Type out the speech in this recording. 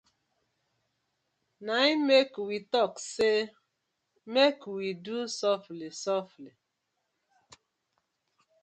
Na im mek we tok say mek we do sofly sofly.